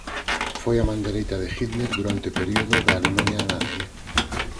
Foi a man dereita de Hitler durante o período da Alemaña nazi.